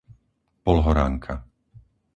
Polhoranka